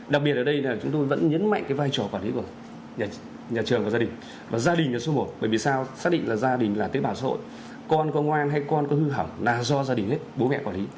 đặc biệt ở đây là chúng tôi vẫn nhấn mạnh cái vai trò quản lý của nhà trường và gia đình và gia đình là số một bởi vì sao xác định là gia đình là tế bào xã hội con có ngoan hay con có hư hỏng là do gia đình hết bố mẹ quản lý